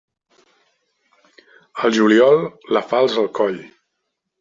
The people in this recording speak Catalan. Al juliol, la falç al coll.